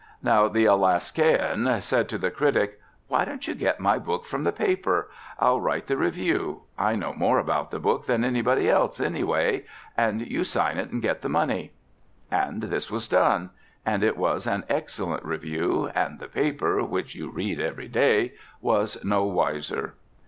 Now the Alaskaian said to the critic: "Why don't you get my book from the paper? I'll write the review I know more about the book than anybody else, anyway; and you sign it and get the money." And this was done; and it was an excellent review; and the paper (which you read every day) was no wiser.